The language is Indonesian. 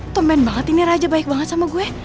temen banget ini raja baik banget sama gue